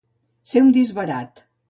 Ser un disbarat.